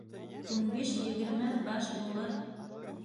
Ун биш-егерме баш булыр.